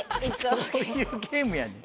どういうゲームやねん。